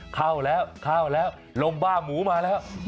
เข้าแล้วเข้าแล้วลมบ้าหมูมาแล้ว